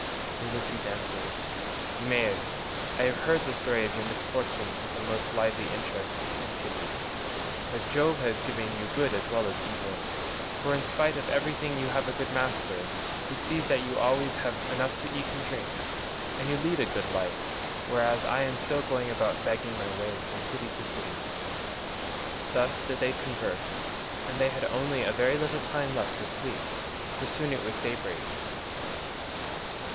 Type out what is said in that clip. Ulysses answered, "Eumaeus, I have heard the story of your misfortunes with the most lively interest and pity, but Jove has given you good as well as evil, for in spite of everything you have a good master, who sees that you always have enough to eat and drink; and you lead a good life, whereas I am still going about begging my way from city to city." Thus did they converse, and they had only a very little time left for sleep, for it was soon daybreak.